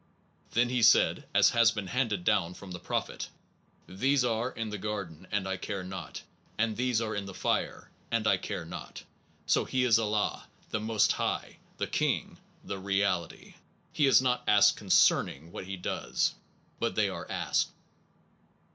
... Then he said, as has been handed down from the Prophet: "These are in the Garden, and I care not; and these are in the Fire, and I care not." So he is Allah, the Most High, the King, the Reality. He is not asked concerning what he does; but they are asked.